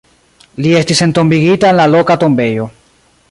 Li estis entombigita en la loka tombejo.